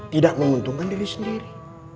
tidak menguntungkan diri sendiri